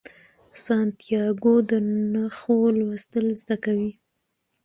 سانتیاګو د نښو لوستل زده کوي.